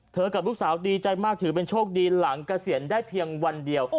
กับลูกสาวดีใจมากถือเป็นโชคดีหลังเกษียณได้เพียงวันเดียว